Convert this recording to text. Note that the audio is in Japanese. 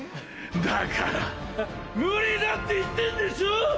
だから無理だって言ってるでしょ？